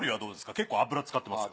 結構油使ってますよ。